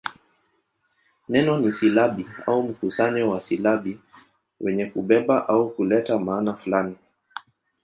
Neno ni silabi au mkusanyo wa silabi wenye kubeba au kuleta maana fulani.